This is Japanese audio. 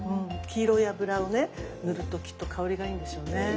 黄色い油をね塗るときっと香りがいいんでしょうね。